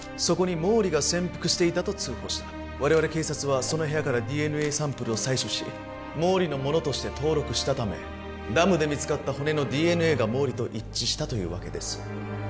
そこに毛利が潜伏していたと通報した我々警察はその部屋からＤＮＡサンプルを採取し毛利のものとして登録したためダムで見つかった骨のＤＮＡが毛利と一致したというわけです